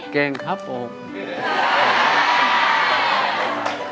เก่งครับผม